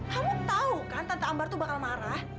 kamu tau kan tante ambar tuh bakal marah